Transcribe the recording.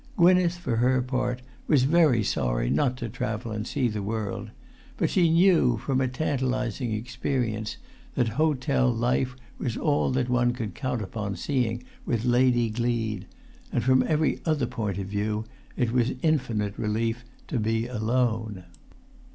Gwynneth, for her part, was very sorry not to travel and see the world; but she knew, from a tantalising experience, that hotel life was all that one could count upon seeing with Lady Gleed; and from every other point of view it was infinite relief to be alone.